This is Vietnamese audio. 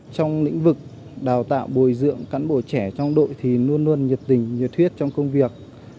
trong lĩnh vực đào tạo bồi dưỡng cán bộ trẻ trong đội thì luôn luôn nhiệt tình nhiệt huyết trong công việc